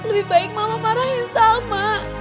lebih baik mama marahin sama